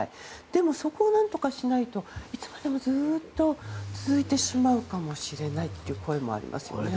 でも、そこを何とかしないといつまでもずっと続いてしまうかもしれないという声もありますよね。